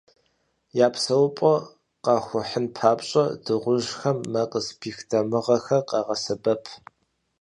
Я псэупӏэр «къахухьын» папщӏэ, дыгъужьхэм мэ къызыпих дамыгъэхэр къагъэсэбэп.